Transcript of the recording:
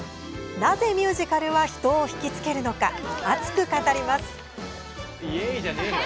なぜミュージカルは人をひきつけるのか熱く語ります。